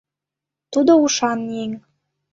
Тудо ушан еҥ.